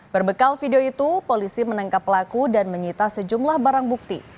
berbekal video itu polisi menangkap pelaku dan menyita sejumlah barang bukti